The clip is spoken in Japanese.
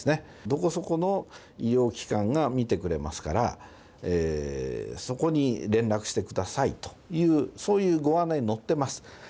どこそこの医療機関が診てくれますから、そこに連絡してくださいという、そういうご案内載ってます。